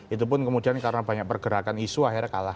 itu pun kemudian karena banyak pergerakan isu akhirnya kalah